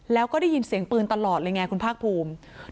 แล้วก็ได้ยินเสียงปืนตลอดเลยไงคุณภาคภูมิ